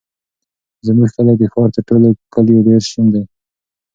زموږ کلی د ښار تر ټولو کلیو ډېر شین دی.